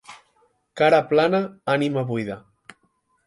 Cara plana, ànima buida.